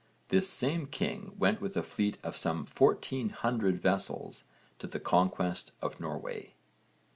This same king went with a fleet of some fourteen hundred vessels to the conquest of Norway.